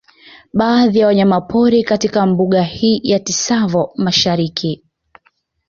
Baadhi ya wanyamapori katika mbuga hii ya Tsavo Mashariki